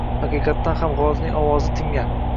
Haqiqatdan ham g‘ozning ovozi tingan.